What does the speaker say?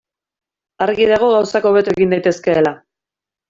Argi dago gauzak hobeto egin daitezkeela.